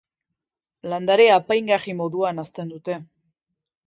Landare apaingarri moduan hazten dute